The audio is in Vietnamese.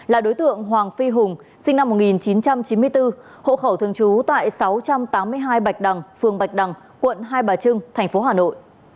là đối tượng hoàng phi hùng sinh năm một nghìn chín trăm chín mươi bốn hộ khẩu thường trú tại sáu trăm tám mươi hai bạch đằng phường bạch đằng quận hai bà trưng tp hà nội